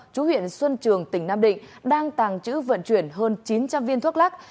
chú huyện xuân trường tỉnh nam định đang tàng trữ vận chuyển hơn chín trăm linh viên thuốc lắc